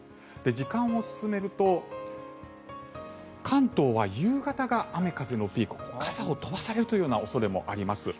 時間を進めると関東は夕方が雨、風のピーク傘を飛ばされるというような恐れもあります。